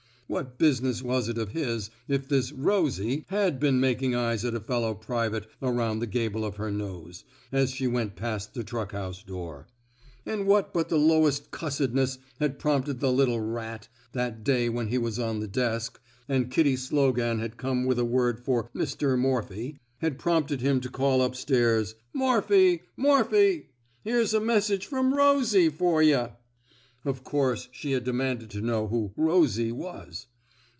What business was it of his if this Rosie *' had been mak ing eyes at a fellow private around the gable of her nose, as she went past the truck house door. And what but the lowest cussed ness had prompted the little rat — that day when he was on the desk, and Kitty Slogan 107 r THE SMOKE EATERS had come with a word for Mr. Morphy '*— had prompted him to call up stairs Morphy! Morphy! Here's a message from Rosie for yuh! '* Of course she had demanded to know who Rosie '* was.